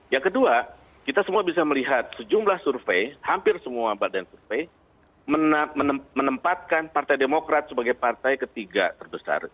yang kedua kita semua bisa melihat sejumlah survei hampir semua badan survei menempatkan partai demokrat sebagai partai ketiga terbesar